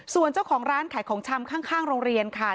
ส่วนเจ้าของร้านขายของชำข้างโรงเรียนค่ะ